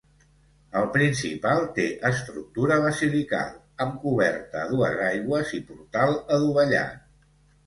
El principal té estructura basilical, amb coberta a dues aigües i portal adovellat.